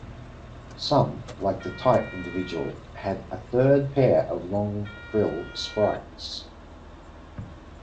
Some, like the type individual, had a third pair of long frill spikes.